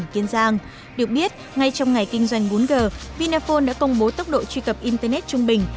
kiên giang được biết ngay trong ngày kinh doanh bốn g vinaphone đã công bố tốc độ truy cập internet trung bình